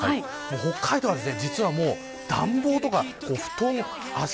北海道は、実は暖房とか、お布団。